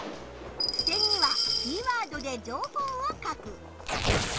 ふせんにはキーワードで情報を書く。